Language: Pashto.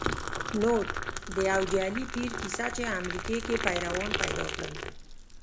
نوټ: د یو جعلې پیر کیسه چې امریکې کې پیروان پیدا کړل